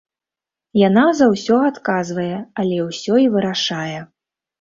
Яна за ўсё адказвае, але ўсё і вырашае.